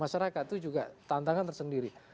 masyarakat itu juga tantangan tersendiri